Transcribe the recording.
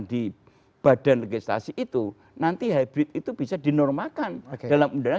jadi itu dengan adanya pembahasan di badan legislasi itu nanti hybrid itu bisa dinormalkan dalam undang undang